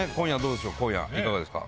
今夜いかがですか？